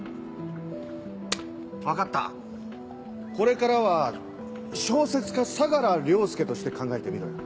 分かったこれからは小説家相良凌介として考えてみろよ。